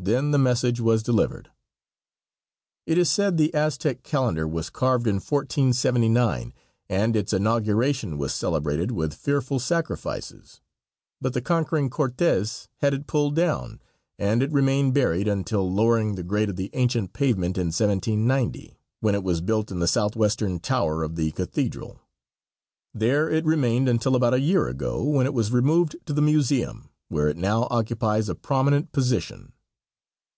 Then the message was delivered. It is said the Aztec calendar was carved in 1479, and its inauguration was celebrated with fearful sacrifices, but the conquering Cortes had it pulled down, and it remained buried until lowering the grade of the ancient pavement in 1790, when it was built in the southwestern tower of the cathedral. There it remained until about a year ago, when it was removed to the museum, where it now occupies a prominent position.